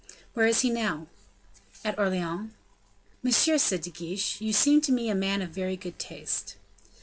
"Where is he now?" "At Orleans." "Monsieur," said De Guiche, "you seem to me a man of very good taste."